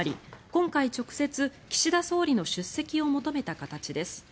今回、直接、岸田総理の出席を求めた形です。